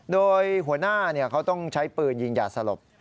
โดยหัวหน้าเขาต้องใช้ปืนยิงยาสลบ